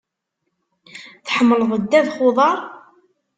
Tḥemmleḍ ddabex n uḍaṛ?